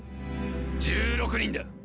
１６人だ。